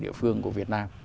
địa phương của việt nam